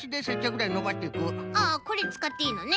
ああこれつかっていいのね。